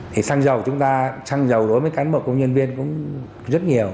thì xăng dầu chúng ta xăng dầu đối với cán bộ công nhân viên cũng rất nhiều